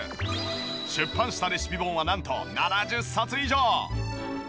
出版したレシピ本はなんと７０冊以上！